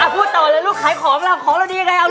พูดต่อเลยลูกขายของเราของเราดียังไงเอา